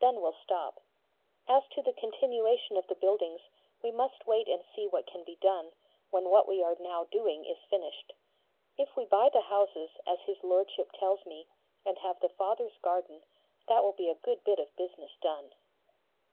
Then we'll stop. As to the continuation of the buildings, we must wait and see what can be done when what we are now doing is finished. If we buy the houses, as his Lordship tells me, and have the Fathers' garden, that will be a good bit of business done.